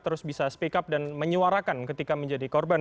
terus bisa speak up dan menyuarakan ketika menjadi korban